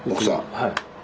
はい。